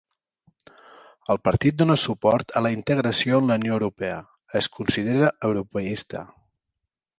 El partit dóna suport a la integració en la Unió Europea, es considera europeista.